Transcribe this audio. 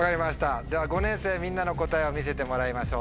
では５年生みんなの答えを見せてもらいましょう。